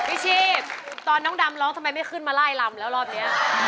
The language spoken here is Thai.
ชีพตอนน้องดำร้องทำไมไม่ขึ้นมาไล่ลำแล้วรอบนี้